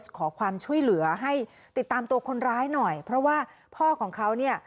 ขอความช่วยเหลือให้ติดตามตัวคนร้ายหน่อยเพราะว่าพ่อของเขาเนี่ย